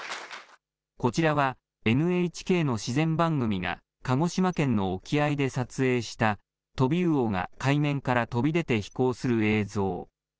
こちらはＮＨＫの自然番組が、鹿児島県の沖合で撮影した、トビウオが海面から飛び出て飛行する映像。